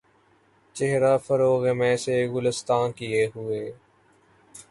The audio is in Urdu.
چہرہ فروغِ مے سے گُلستاں کئے ہوئے